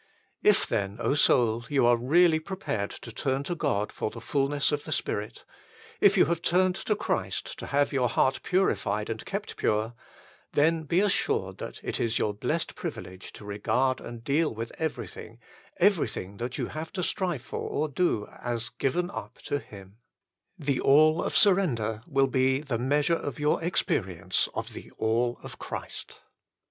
If then, Soul, you are really prepared to turn to God for the fulness of the Spirit ; if you have turned to Christ to have your heart purified and kept pure ; then be assured that it is your blessed privilege to regard and deal with everything everything that you have to strive for or do as given up to Hirn. The All of surrender will be the measure of your experience of the All of Christ.